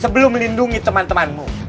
sebelum melindungi temen temenmu